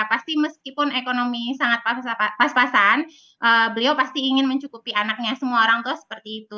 pasti meskipun ekonomi sangat pas pasan beliau pasti ingin mencukupi anaknya semua orang tua seperti itu